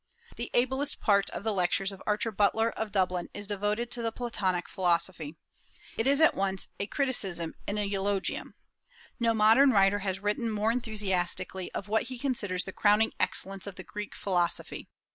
The ablest part of the lectures of Archer Butler, of Dublin, is devoted to the Platonic philosophy. It is at once a criticism and a eulogium. No modern writer has written more enthusiastically of what he considers the crowning excellence of the Greek philosophy.